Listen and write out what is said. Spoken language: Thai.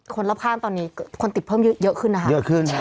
คนรอบข้างตอนนี้คนติดเพิ่มเยอะขึ้นนะครับ